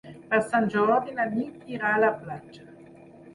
Per Sant Jordi na Nit irà a la platja.